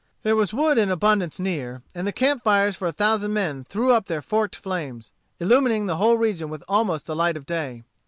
There was wood in abundance near, and the camp fires for a thousand men threw up their forked flames, illumining the whole region with almost the light of day.